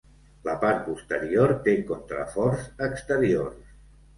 La part posterior té contraforts exteriors.